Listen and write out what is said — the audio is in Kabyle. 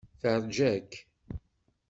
Teṛja-k.